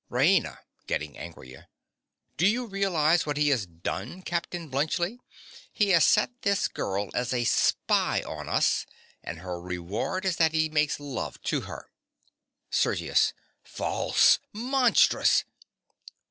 RAINA. (getting angrier). Do you realize what he has done, Captain Bluntschli? He has set this girl as a spy on us; and her reward is that he makes love to her. SERGIUS. False! Monstrous!